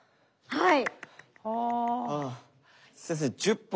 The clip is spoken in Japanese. はい。